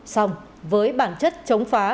xong với bản chất chống phá